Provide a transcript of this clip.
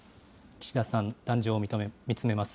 岸田さん、壇上を見つめます。